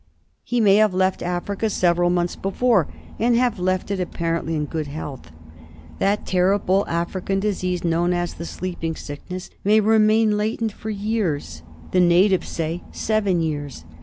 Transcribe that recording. He may have left Africa several months before and have left it apparently in good health. That terrible African disease known as the Sleeping Sickness may remain latent for years, the natives say seven years.